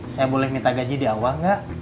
saya boleh minta gaji di awal nggak